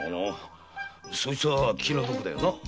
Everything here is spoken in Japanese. そいつは気の毒だよな。